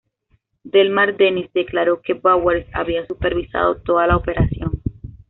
Delmar Dennis declaró que Bowers había supervisado toda la operación.